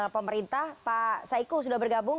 pemerintah pak saiku sudah bergabung